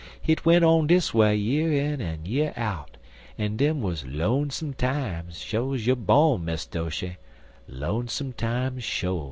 Hit went on dis way year in en year out, en dem wuz lonesome times, sho's you bawn, Miss Doshy lonesome times, sho.